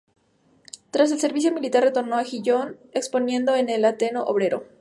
Tras el servicio militar retornó a Gijón, exponiendo en el Ateneo Obrero.